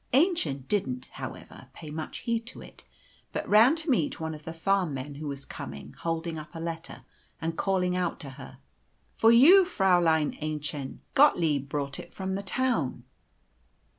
Aennchen didn't, however, pay much heed to it, but ran to meet one of the farm men who was coming, holding up a letter, and calling out to her, "For you, Fräulein Aennchen. Gottlieb brought it from the town."